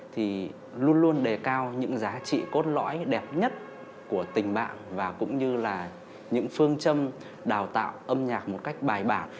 thì luôn luôn đề cao những giá trị cốt lõi đẹp nhất của tình bạn và cũng như là những phương châm đào tạo âm nhạc một cách bài bản